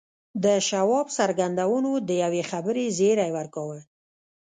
د شواب څرګندونو د یوې خبرې زیری ورکاوه